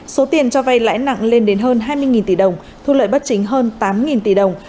số tiền cho vay lãi nặng lên đến hơn hai mươi tỷ đồng thu lợi bất chính hơn tám tỷ đồng